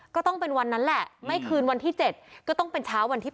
ก็ต้องเป็นวันนั้นแหละไม่คืนวันที่๗ก็ต้องเป็นเช้าวันที่๘